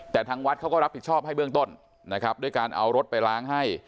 แต่ทางวัดเขาก็รับผิดชอบให้เบื้องต้นนะครับด้วยการเอารถไปล้างให้